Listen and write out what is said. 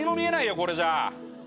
これじゃあ。